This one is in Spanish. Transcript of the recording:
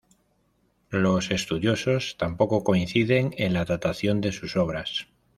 Los estudiosos tampoco coinciden en la datación de sus obras.